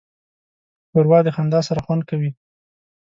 ښوروا د خندا سره خوند کوي.